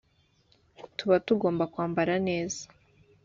tuba tugomba kwambara neza